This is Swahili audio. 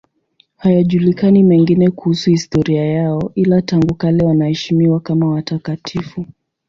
Hayajulikani mengine kuhusu historia yao, ila tangu kale wanaheshimiwa kama watakatifu.